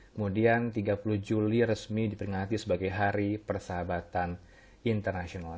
kemudian tiga puluh juli resmi diperingati sebagai hari persahabatan internasional